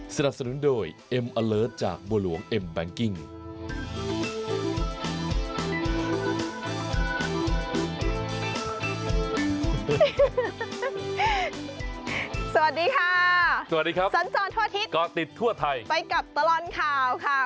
สวัสดีค่ะสวัสดีครับสัญจรทั่วอาทิตย์ก็ติดทั่วไทยไปกับตลอดข่าวค่ะ